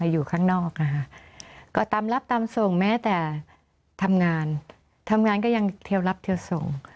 อยู่ข้างนอกนะคะก็ตามรับตามส่งแม้แต่ทำงานทำงานก็ยังเที่ยวรับเทียวส่ง